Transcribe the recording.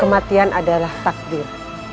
kematian adalah takdir